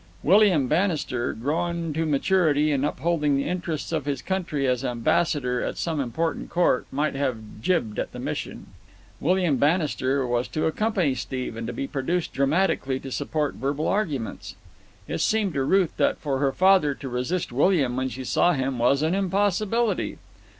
William Bannister, grown to maturity and upholding the interests of his country as ambassador at some important court, might have jibbed at the mission. William Bannister was to accompany Steve and be produced dramatically to support verbal arguments. It seemed to Ruth that for her father to resist William when he saw him was an impossibility.